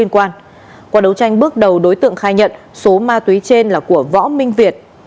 qua đấu tranh bước đầu đối tượng khai nhận số ma túy trên là của võ minh việt